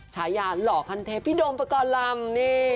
ชายหยานหล่อคันเทศพี่ดมเปื่อนกัลลำ